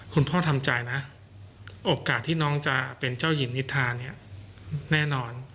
คุณพ่อทำใจนะโอกาสที่น้องจะเป็นเจ้าหญิงนิทาเนี่ยแน่นอน